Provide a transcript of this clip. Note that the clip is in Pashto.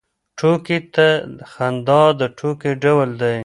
ټوکې ته خندا د ټوکې ډول دی.